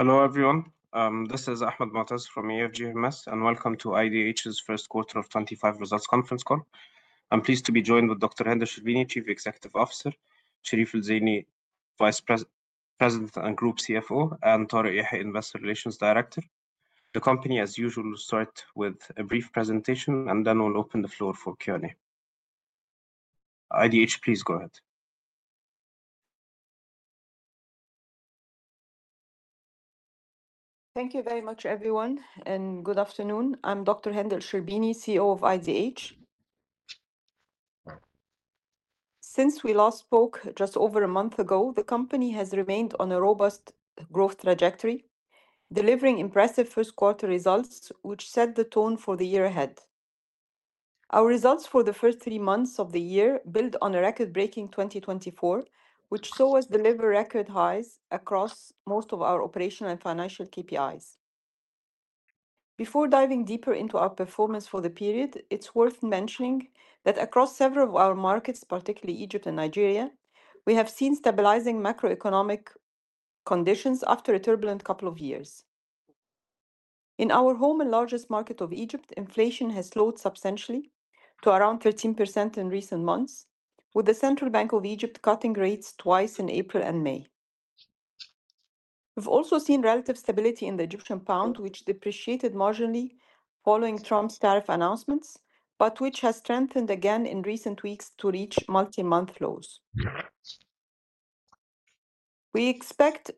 Hello everyone, this is Ahmed Matas from EFG Hermes, and welcome to IDH's first quarter of 2025 results conference call. I'm pleased to be joined with Dr. Hend El Sherbini, Chief Executive Officer, Sherif El Zeiny, Vice President and Group CFO, and Tarek Yehia, Investor Relations Director. The company, as usual, will start with a brief presentation, and then we'll open the floor for Q&A. IDH, please go ahead. Thank you very much, everyone, and good afternoon. I'm Dr. Hend El Sherbini, CEO of IDH. Since we last spoke just over a month ago, the company has remained on a robust growth trajectory, delivering impressive first quarter results, which set the tone for the year ahead. Our results for the first three months of the year build on a record-breaking 2024, which saw us deliver record highs across most of our operational and financial KPIs. Before diving deeper into our performance for the period, it's worth mentioning that across several of our markets, particularly Egypt and Nigeria, we have seen stabilizing macroeconomic conditions after a turbulent couple of years. In our home and largest market of Egypt, inflation has slowed substantially to around 13% in recent months, with the Central Bank of Egypt cutting rates twice in April and May. We've also seen relative stability in the EGP, which depreciated marginally following Trump's tariff announcements, but which has strengthened again in recent weeks to reach multi-month lows. We expect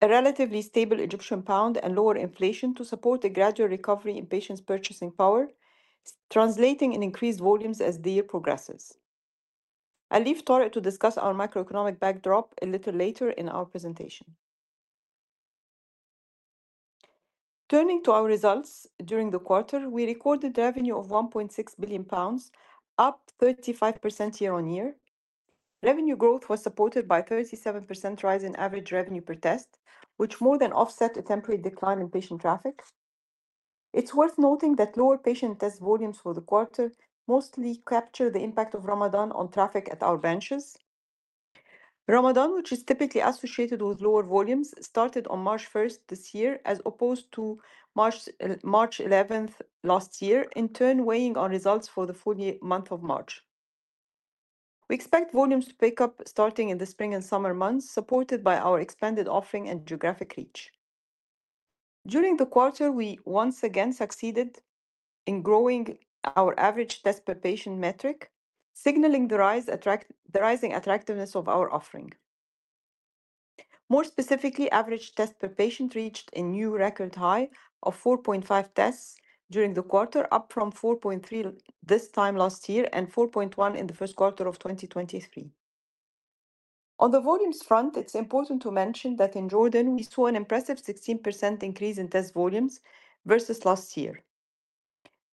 a relatively stable EGP and lower inflation to support a gradual recovery in patients' purchasing power, translating in increased volumes as the year progresses. I'll leave Tarek to discuss our macroeconomic backdrop a little later in our presentation. Turning to our results during the quarter, we recorded revenue of 1.6 billion pounds, up 35% year-on-year. Revenue growth was supported by a 37% rise in average revenue per test, which more than offset a temporary decline in patient traffic. It's worth noting that lower patient test volumes for the quarter mostly capture the impact of Ramadan on traffic at our branches. Ramadan, which is typically associated with lower volumes, started on March 1st this year, as opposed to March 11th last year, in turn weighing on results for the full month of March. We expect volumes to pick up starting in the spring and summer months, supported by our expanded offering and geographic reach. During the quarter, we once again succeeded in growing our average test per patient metric, signaling the rising attractiveness of our offering. More specifically, average test per patient reached a new record high of 4.5 tests during the quarter, up from 4.3 this time last year and 4.1 in the first quarter of 2023. On the volumes front, it is important to mention that in Jordan, we saw an impressive 16% increase in test volumes versus last year.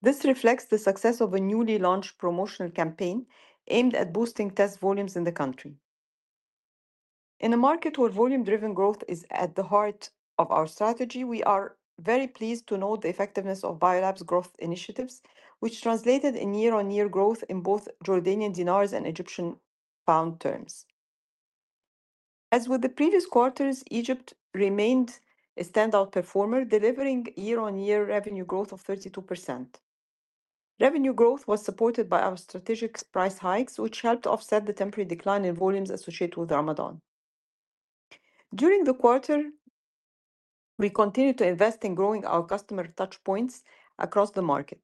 This reflects the success of a newly launched promotional campaign aimed at boosting test volumes in the country. In a market where volume-driven growth is at the heart of our strategy, we are very pleased to note the effectiveness of BioLab's growth initiatives, which translated in year-on-year growth in both JOD and EGP terms. As with the previous quarters, Egypt remained a standout performer, delivering year-on-year revenue growth of 32%. Revenue growth was supported by our strategic price hikes, which helped offset the temporary decline in volumes associated with Ramadan. During the quarter, we continued to invest in growing our customer touch-points across the market.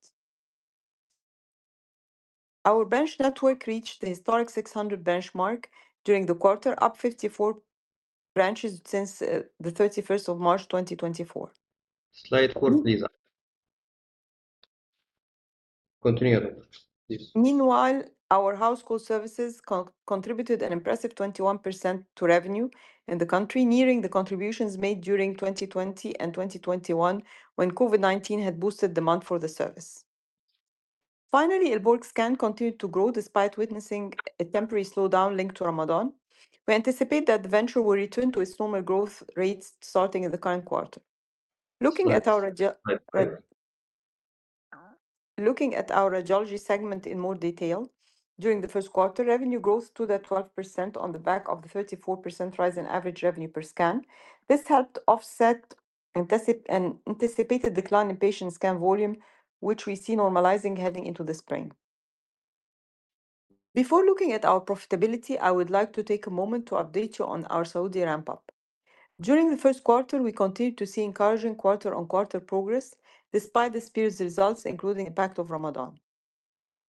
Our branch network reached the historic 600 benchmark during the quarter, up 54 branches since the 31st of March 2024. Slide four, please. Continue. Meanwhile, our household services contributed an impressive 21% to revenue in the country, nearing the contributions made during 2020 and 2021 when COVID-19 had boosted demand for the service. Finally, El Borg Scan continued to grow despite witnessing a temporary slowdown linked to Ramadan. We anticipate that the venture will return to its normal growth rates starting in the current quarter. Looking at our radiology segment in more detail, during the first quarter, revenue growth stood at 12% on the back of the 34% rise in average revenue per scan. This helped offset an anticipated decline in patient scan volume, which we see normalizing heading into the spring. Before looking at our profitability, I would like to take a moment to update you on our Saudi ramp-up. During the first quarter, we continued to see encouraging quarter-on-quarter progress despite the spirit results, including the impact of Ramadan.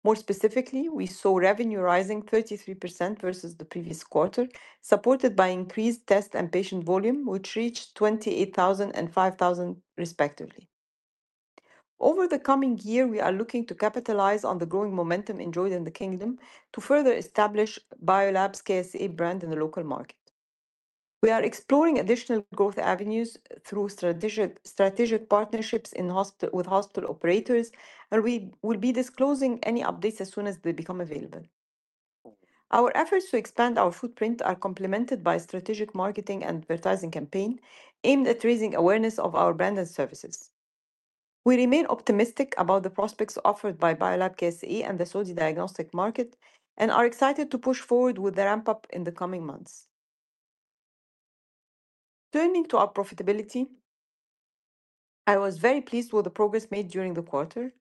More specifically, we saw revenue rising 33% versus the previous quarter, supported by increased test and patient volume, which reached 28,000 and 5,000 respectively. Over the coming year, we are looking to capitalize on the growing momentum enjoyed in the Kingdom to further establish BioLab's KSA brand in the local market. We are exploring additional growth avenues through strategic partnerships with hospital operators, and we will be disclosing any updates as soon as they become available. Our efforts to expand our footprint are complemented by a strategic marketing and advertising campaign aimed at raising awareness of our brand and services. We remain optimistic about the prospects offered by BioLab KSA and the Saudi diagnostic market and are excited to push forward with the ramp-up in the coming months. Turning to our profitability, I was very pleased with the progress made during the quarter.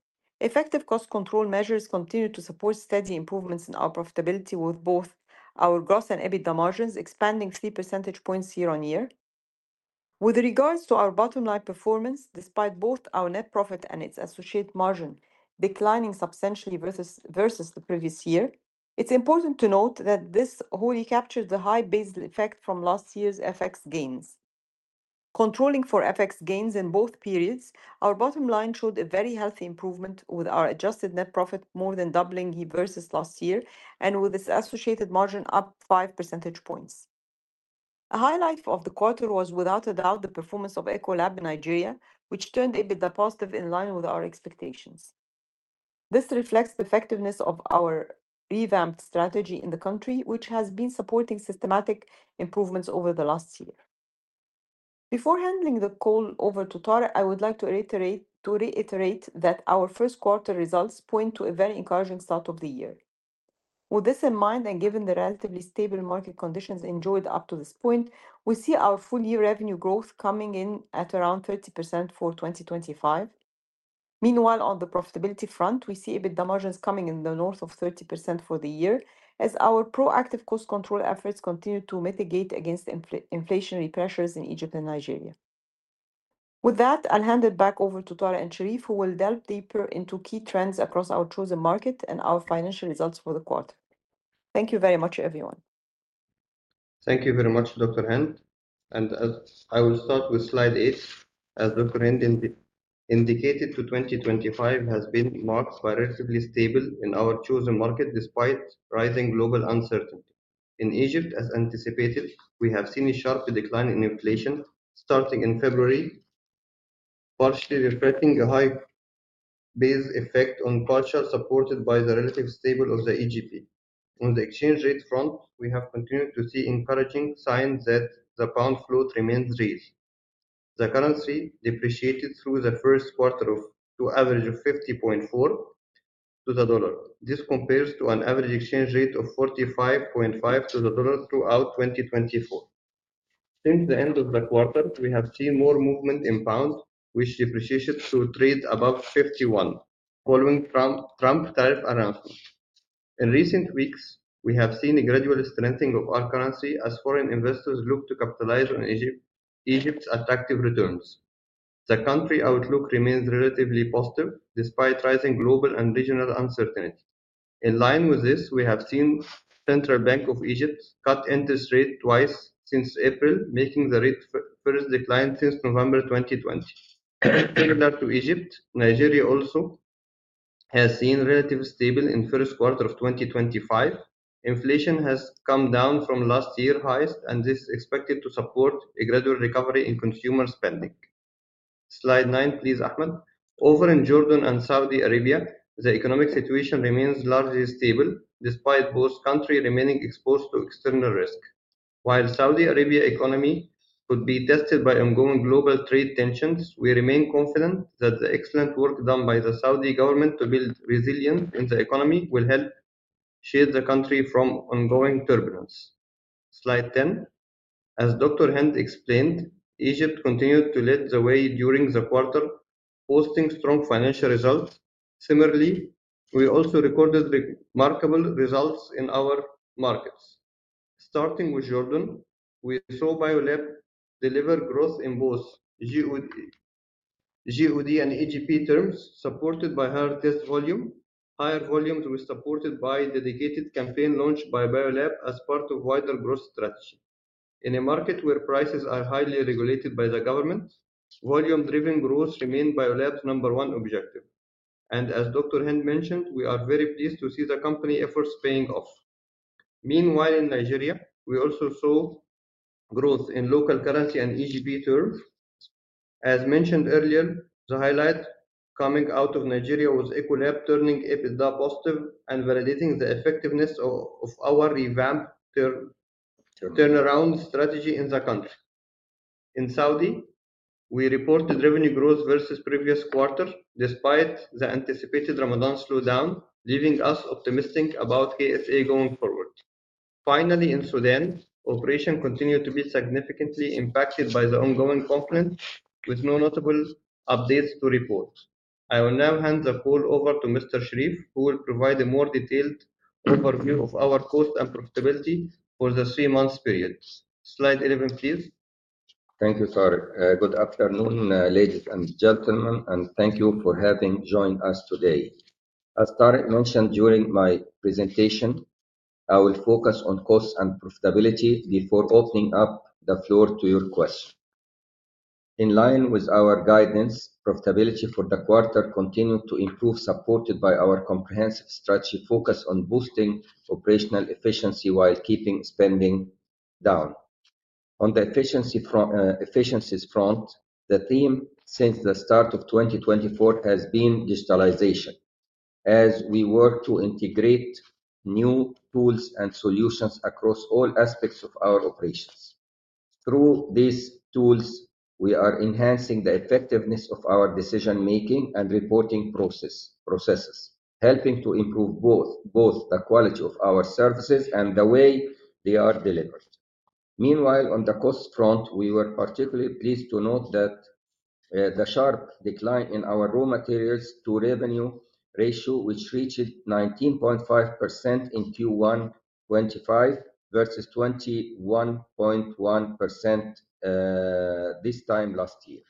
Effective cost control measures continue to support steady improvements in our profitability, with both our gross and EBITDA margins expanding 3 percentage points year-on-year. With regards to our bottom-line performance, despite both our net profit and its associated margin declining substantially versus the previous year, it's important to note that this wholly captured the high basal effect from last year's FX gains. Controlling for FX gains in both periods, our bottom line showed a very healthy improvement with our adjusted net profit more than doubling versus last year and with its associated margin up 5% points. A highlight of the quarter was, without a doubt, the performance of EcoLab in Nigeria, which turned EBITDA positive in line with our expectations. This reflects the effectiveness of our revamped strategy in the country, which has been supporting systematic improvements over the last year. Before handing the call over to Tarek, I would like to reiterate that our first quarter results point to a very encouraging start of the year. With this in mind and given the relatively stable market conditions enjoyed up to this point, we see our full-year revenue growth coming in at around 30% for 2025. Meanwhile, on the profitability front, we see EBITDA margins coming in the north of 30% for the year as our proactive cost control efforts continue to mitigate against inflationary pressures in Egypt and Nigeria. With that, I'll hand it back over to Tarek and Sherif, who will delve deeper into key trends across our chosen market and our financial results for the quarter. Thank you very much, everyone. Thank you very much, Dr. Hend, and I will start with Slide 8. As Dr. Hend indicated, 2025 has been marked by relatively stable in our chosen market despite rising global uncertainty. In Egypt, as anticipated, we have seen a sharp decline in inflation starting in February, partially reflecting a high base effect and partially supported by the relative stable of the EGP. On the exchange rate front, we have continued to see encouraging signs that the pound float remains raised. The currency depreciated through the first quarter to an average of 50.4 to the USD. This compares to an average exchange rate of 45.5 to the USD throughout 2024. Since the end of the quarter, we have seen more movement in pound, which depreciated to trade above 51 following Trump tariff announcement. In recent weeks, we have seen a gradual strengthening of our currency as foreign investors look to capitalize on Egypt's attractive returns. The country outlook remains relatively positive despite rising global and regional uncertainty. In line with this, we have seen the Central Bank of Egypt cut interest rates twice since April, making the rate first decline since November 2020. Similar to Egypt, Nigeria also has seen relative stable in the first quarter of 2025. Inflation has come down from last year's highs, and this is expected to support a gradual recovery in consumer spending. Slide 9, please, Ahmed. Over in Jordan and Saudi Arabia, the economic situation remains largely stable despite both countries remaining exposed to external risk. While the Saudi Arabia economy could be tested by ongoing global trade tensions, we remain confident that the excellent work done by the Saudi government to build resilience in the economy will help shield the country from ongoing turbulence. Slide 10. As Dr. Hend explained, Egypt continued to lead the way during the quarter, posting strong financial results. Similarly, we also recorded remarkable results in our markets. Starting with Jordan, we saw BioLab deliver growth in both JOD and EGP terms, supported by higher test volume. Higher volumes were supported by a dedicated campaign launched by BioLab as part of a wider growth strategy. In a market where prices are highly regulated by the government, volume-driven growth remained BioLab's number one objective. As Dr. Hend mentioned, we are very pleased to see the company efforts paying off. Meanwhile, in Nigeria, we also saw growth in local currency and EGP terms. As mentioned earlier, the highlight coming out of Nigeria was EcoLab turning EBITDA positive and validating the effectiveness of our revamped turnaround strategy in the country. In Saudi, we reported revenue growth versus the previous quarter despite the anticipated Ramadan slowdown, leaving us optimistic about KSA going forward. Finally, in Sudan, operations continue to be significantly impacted by the ongoing conflict, with no notable updates to report. I will now hand the call over to Mr. Sherif, who will provide a more detailed overview of our cost and profitability for the three-month period. Slide 11, please. Thank you, Tarek. Good afternoon, ladies and gentlemen, and thank you for having joined us today. As Tarek mentioned during my presentation, I will focus on cost and profitability before opening up the floor to your questions. In line with our guidance, profitability for the quarter continued to improve, supported by our comprehensive strategy focused on boosting operational efficiency while keeping spending down. On the efficiencies front, the theme since the start of 2024 has been digitalization, as we work to integrate new tools and solutions across all aspects of our operations. Through these tools, we are enhancing the effectiveness of our decision-making and reporting processes, helping to improve both the quality of our services and the way they are delivered. Meanwhile, on the cost front, we were particularly pleased to note the sharp decline in our raw materials-to-revenue ratio, which reached 19.5% in Q1 2025 versus 21.1% this time last year.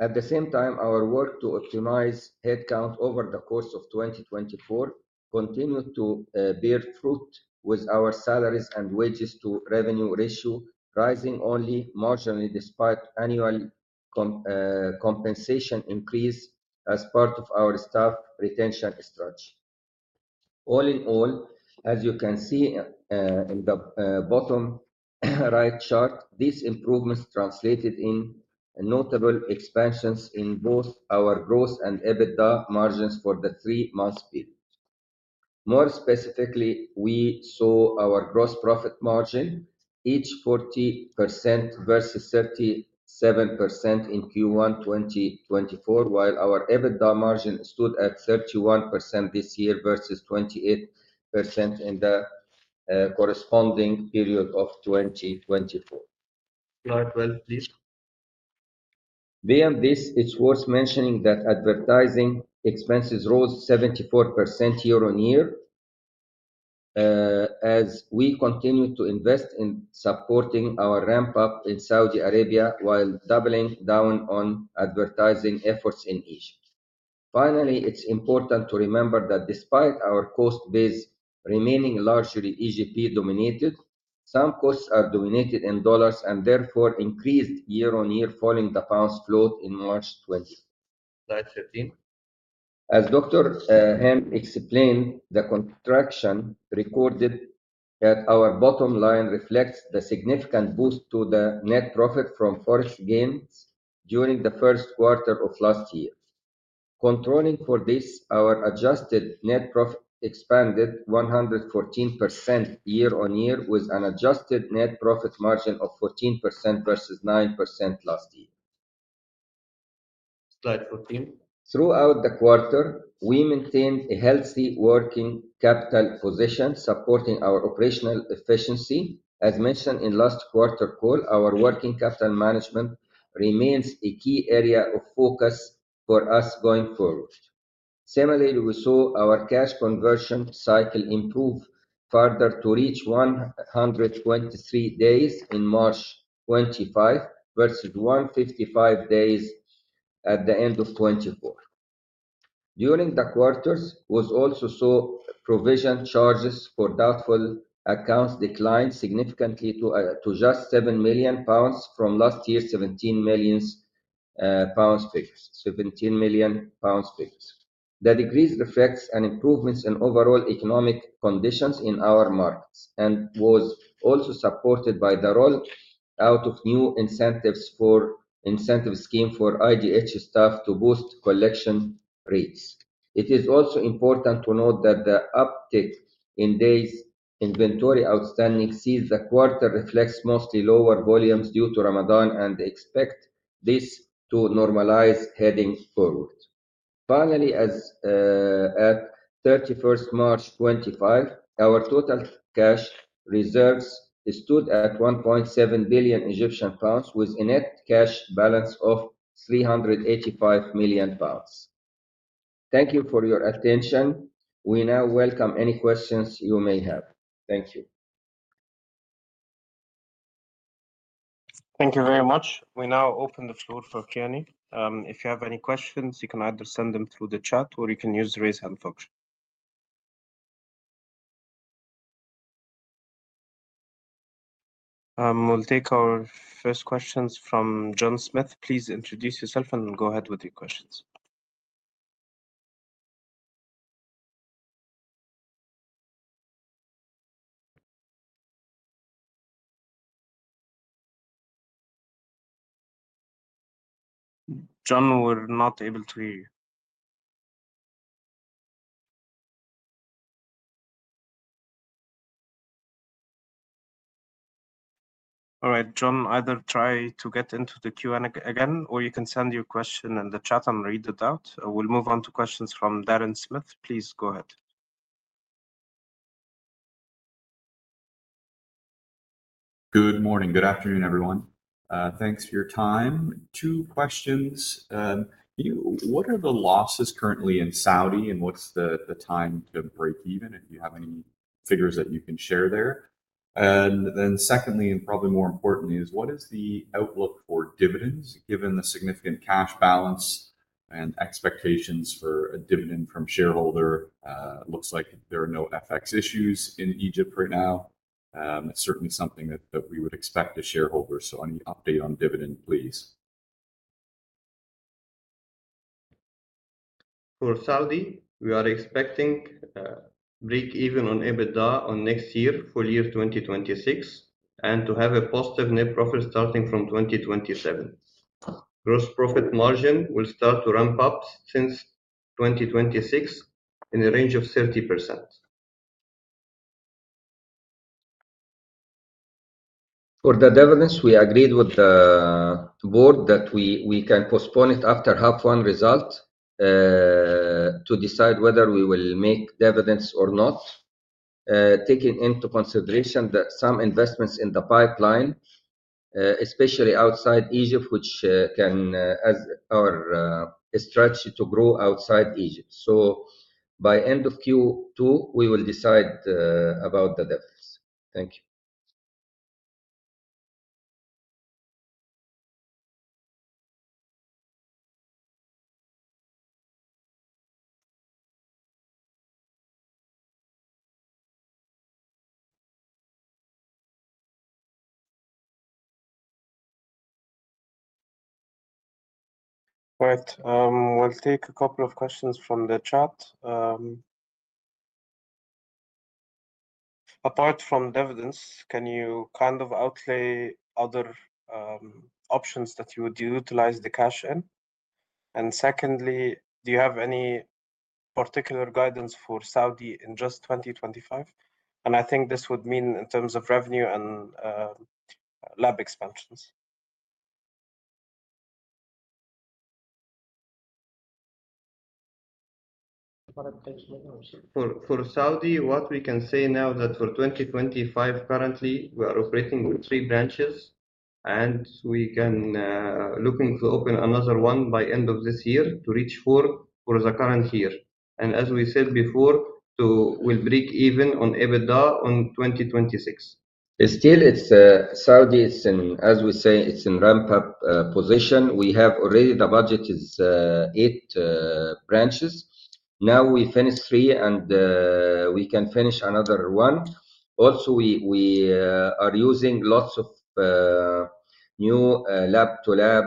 At the same time, our work to optimize headcount over the course of 2024 continued to bear fruit with our salaries and wages-to-revenue ratio rising only marginally despite annual compensation increase as part of our staff retention strategy. All in all, as you can see in the bottom right chart, these improvements translated in notable expansions in both our gross and EBITDA margins for the three-month period. More specifically, we saw our gross profit margin reach 40% versus 37% in Q1 2024, while our EBITDA margin stood at 31% this year versus 28% in the corresponding period of 2024. Slide 12, please. Beyond this, it is worth mentioning that advertising expenses rose 74% year-on-year as we continued to invest in supporting our ramp-up in Saudi Arabia while doubling down on advertising efforts in Egypt. Finally, it's important to remember that despite our cost base remaining largely EGP-dominated, some costs are denominated in dollars and therefore increased year-on-year following the pound's float in March 2024. Slide 13. As Dr. Hend El Sherbini explained, the contraction recorded at our bottom line reflects the significant boost to the net profit from FX gains during the first quarter of last year. Controlling for this, our adjusted net profit expanded 114% year-on-year with an adjusted net profit margin of 14% versus 9% last year. Slide 14. Throughout the quarter, we maintained a healthy working capital position supporting our operational efficiency. As mentioned in last quarter call, our working capital management remains a key area of focus for us going forward. Similarly, we saw our cash conversion cycle improve further to reach 123 days in March 2025 versus 155 days at the end of 2024. During the quarters, we also saw provision charges for doubtful accounts decline significantly to just 7 million pounds from last year's 17 million pounds figures. The decrease reflects an improvement in overall economic conditions in our markets and was also supported by the roll-out of new incentive schemes for IDH staff to boost collection rates. It is also important to note that the uptick in days inventory outstanding sees the quarter reflect mostly lower volumes due to Ramadan and expect this to normalize heading forward. Finally, as at 31 March 2025, our total cash reserves stood at 1.7 billion Egyptian pounds with a net cash balance of 385 million pounds. Thank you for your attention. We now welcome any questions you may have. Thank you. Thank you very much. We now open the floor for Q&A. If you have any questions, you can either send them through the chat or you can use the raise hand function. We'll take our first questions from John Smith. Please introduce yourself and go ahead with your questions. John, we're not able to hear you. All right, John, either try to get into the Q&A again or you can send your question in the chat and read it out. We'll move on to questions from Darren Smith. Please go ahead. Good morning. Good afternoon, everyone. Thanks for your time. Two questions. What are the losses currently in Saudi and what's the time to break even if you have any figures that you can share there? Secondly, and probably more importantly, is what is the outlook for dividends given the significant cash balance and expectations for a dividend from shareholder? It looks like there are no FX issues in Egypt right now. It's certainly something that we would expect a shareholder. Any update on dividend, please? For Saudi, we are expecting break even on EBITDA on next year, full year 2026, and to have a positive net profit starting from 2027. Gross profit margin will start to ramp up since 2026 in a range of 30%. For the dividends, we agreed with the board that we can postpone it after half-one result to decide whether we will make dividends or not, taking into consideration that some investments in the pipeline, especially outside Egypt, which can have our strategy to grow outside Egypt. By end of Q2, we will decide about the dividends. Thank you. All right. We'll take a couple of questions from the chat. Apart from dividends, can you kind of outlay other options that you would utilize the cash in? Secondly, do you have any particular guidance for Saudi in just 2025? I think this would mean in terms of revenue and lab expansions. For Saudi, what we can say now is that for 2025, currently, we are operating with three branches, and we are looking to open another one by end of this year to reach four for the current year. As we said before, we'll break even on EBITDA in 2026. Still, Saudi, as we say, it's in ramp-up position. We have already the budget is eight branches. Now we finished three and we can finish another one. Also, we are using lots of new lab-to-lab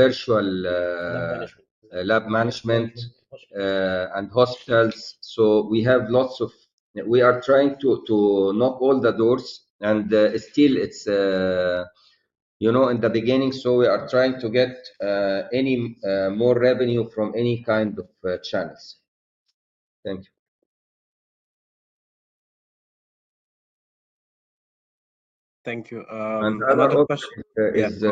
virtual lab management and hospitals. We have lots of—we are trying to knock all the doors. Still, it's in the beginning, so we are trying to get any more revenue from any kind of channels. Thank you. Thank you. Another question is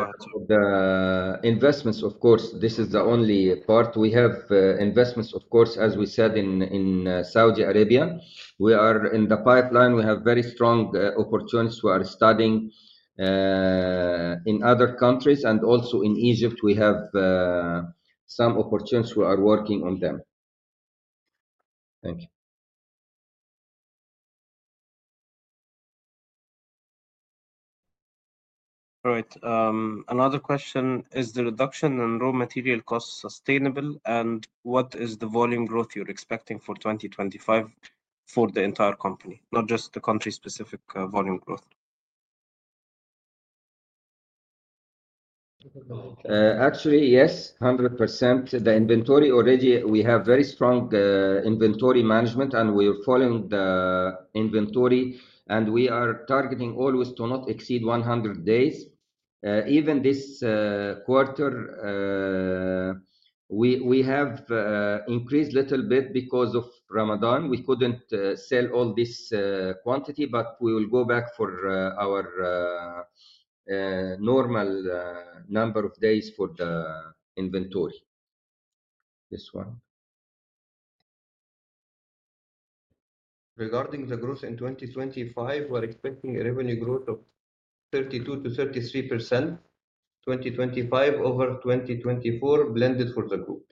investments, of course. This is the only part we have investments, of course, as we said, in Saudi Arabia. We are in the pipeline. We have very strong opportunities. We are studying in other countries, and also in Egypt, we have some opportunities. We are working on them. Thank you. All right. Another question: Is the reduction in raw material costs sustainable? What is the volume growth you're expecting for 2025 for the entire company, not just the country-specific volume growth? Actually, yes, 100%. The inventory already, we have very strong inventory management, and we are following the inventory. We are targeting always to not exceed 100 days. Even this quarter, we have increased a little bit because of Ramadan. We could not sell all this quantity, but we will go back for our normal number of days for the inventory. This one. Regarding the growth in 2025, we are expecting a revenue growth of 32%-33% in 2025 over 2024, blended for the group.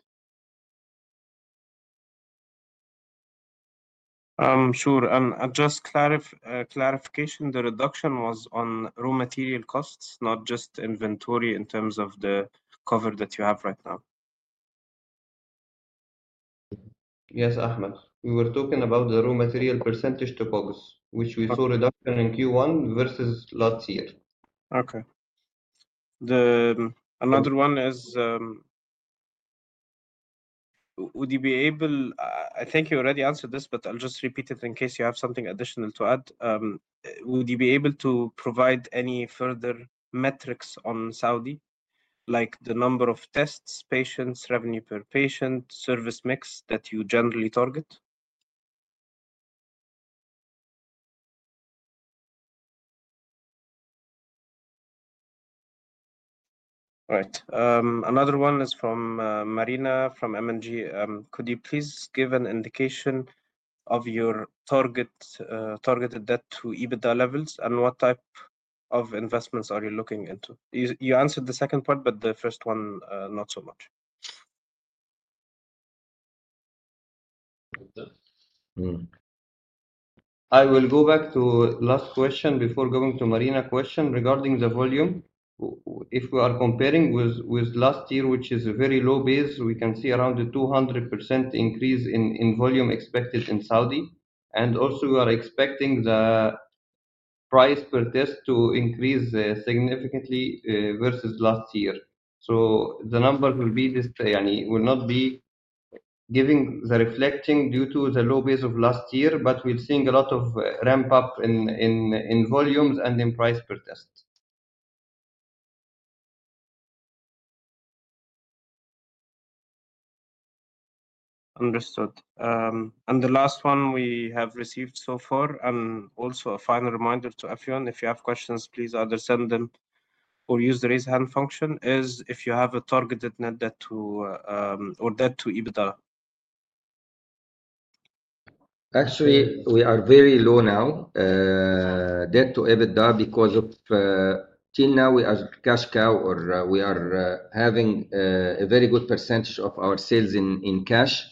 Sure. And just clarification, the reduction was on raw material costs, not just inventory in terms of the cover that you have right now? Yes, Ahmed. We were talking about the raw material percentage to bogus, which we saw reduction in Q1 versus last year. Okay. Another one is, would you be able—I think you already answered this, but I'll just repeat it in case you have something additional to add. Would you be able to provide any further metrics on Saudi, like the number of tests, patients, revenue per patient, service mix that you generally target? All right. Another one is from Marina from M&G. Could you please give an indication of your targeted debt to EBITDA levels and what type of investments are you looking into? You answered the second part, but the first one, not so much. I will go back to the last question before going to Marina's question regarding the volume. If we are comparing with last year, which is a very low base, we can see around a 200% increase in volume expected in Saudi. Also, we are expecting the price per test to increase significantly versus last year. The number will not be reflecting due to the low base of last year, but we are seeing a lot of ramp-up in volumes and in price per test. Understood. The last one we have received so far, and also a final reminder to everyone, if you have questions, please either send them or use the raise hand function, is if you have a targeted net debt to EBITDA. Actually, we are very low now, debt to EBITDA, because till now, we are cash cow or we are having a very good % of our sales in cash.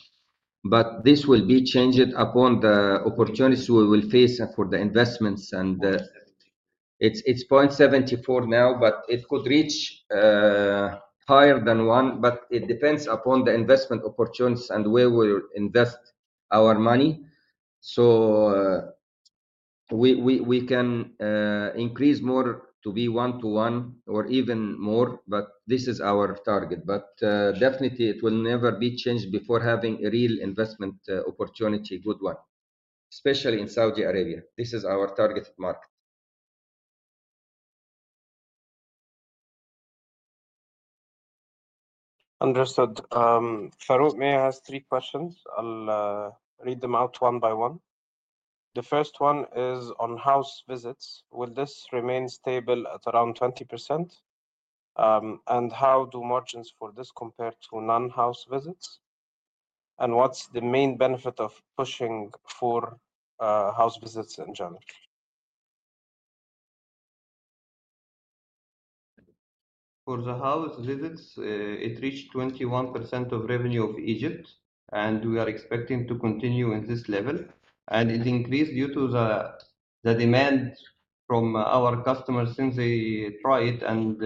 This will be changed upon the opportunities we will face for the investments. It is 0.74 now, but it could reach higher than one. It depends upon the investment opportunities and where we invest our money. We can increase more to be one-to-one or even more, but this is our target. Definitely, it will never be changed before having a real investment opportunity, good one, especially in Saudi Arabia. This is our targeted market. Understood. Faroukh Mey has three questions. I'll read them out one by one. The first one is on house visits. Will this remain stable at around 20%? How do margins for this compare to non-house visits? What's the main benefit of pushing for house visits in general? For the house visits, it reached 21% of revenue of Egypt, and we are expecting to continue at this level. It increased due to the demand from our customers since they tried it, and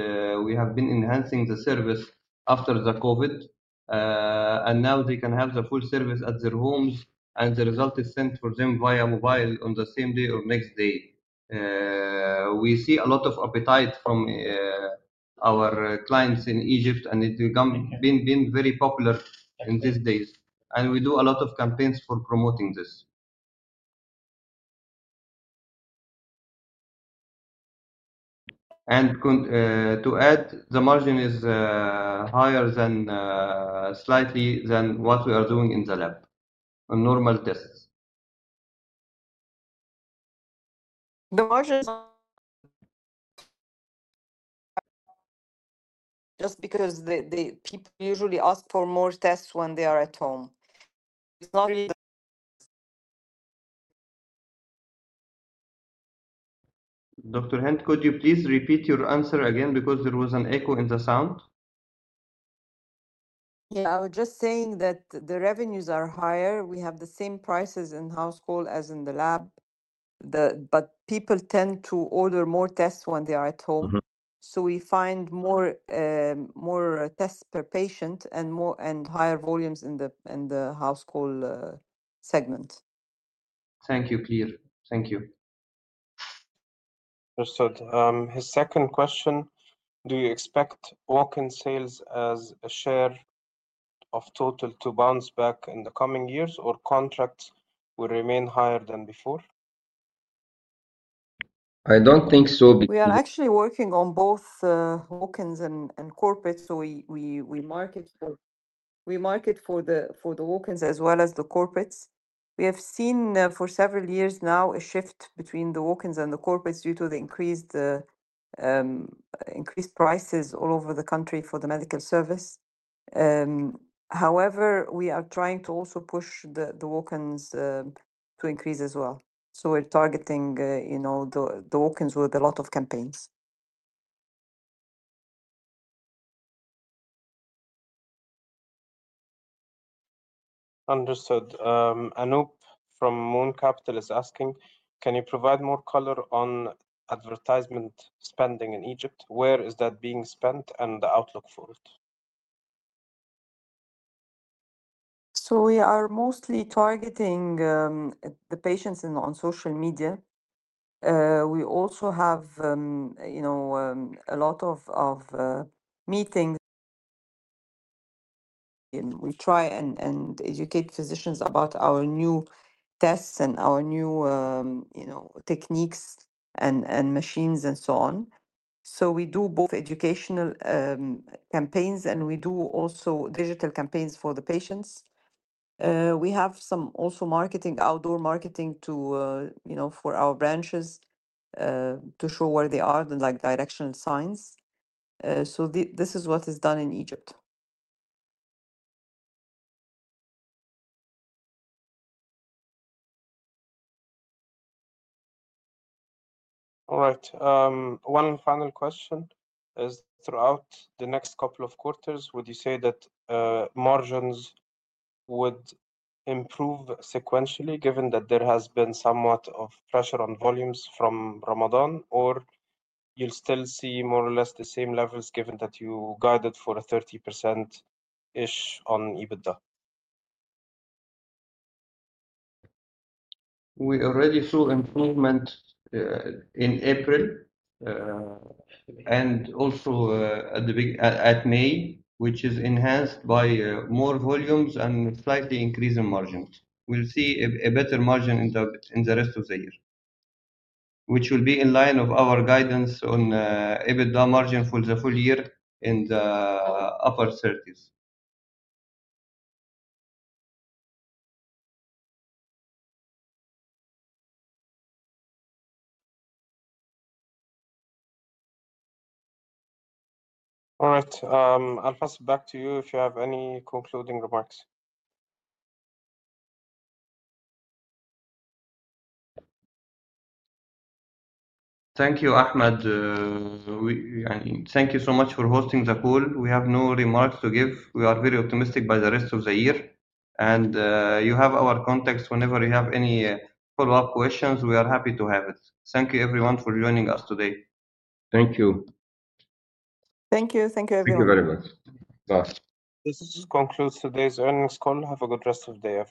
we have been enhancing the service after the COVID. Now they can have the full service at their homes, and the result is sent for them via mobile on the same day or next day. We see a lot of appetite from our clients in Egypt, and it's been very popular these days. We do a lot of campaigns for promoting this. To add, the margin is higher slightly than what we are doing in the lab on normal tests. The margin is just because people usually ask for more tests when they are at home. It's not really. Dr. Hend, could you please repeat your answer again because there was an echo in the sound? Yeah, I was just saying that the revenues are higher. We have the same prices in house call as in the lab, but people tend to order more tests when they are at home. So we find more tests per patient and higher volumes in the house call segment. Thank you, clear. Thank you. Understood. His second question: Do you expect walk-in sales as a share of total to bounce back in the coming years, or contracts will remain higher than before? I don't think so. We are actually working on both walk-ins and corporates, so we market for the walk-ins as well as the corporates. We have seen for several years now a shift between the walk-ins and the corporates due to the increased prices all over the country for the medical service. However, we are trying to also push the walk-ins to increase as well. We are targeting the walk-ins with a lot of campaigns. Understood. Anoop from Moon Capital is asking, can you provide more color on advertisement spending in Egypt? Where is that being spent and the outlook for it? We are mostly targeting the patients on social media. We also have a lot of meetings. We try and educate physicians about our new tests and our new techniques and machines and so on. We do both educational campaigns, and we do also digital campaigns for the patients. We have some also marketing, outdoor marketing for our branches to show where they are, like directional signs. This is what is done in Egypt. All right. One final question: Throughout the next couple of quarters, would you say that margins would improve sequentially given that there has been somewhat of pressure on volumes from Ramadan, or you'll still see more or less the same levels given that you guided for 30%-ish on EBITDA? We already saw improvement in April and also at May, which is enhanced by more volumes and slightly increase in margins. We'll see a better margin in the rest of the year, which will be in line with our guidance on EBITDA margin for the full year in the upper 30s. All right. I'll pass it back to you if you have any concluding remarks. Thank you, Ahmed. Thank you so much for hosting the call. We have no remarks to give. We are very optimistic about the rest of the year. You have our contacts whenever you have any follow-up questions. We are happy to have it. Thank you, everyone, for joining us today. Thank you. Thank you. Thank you, everyone. Thank you very much. Bye. This concludes today's earnings call. Have a good rest of the day.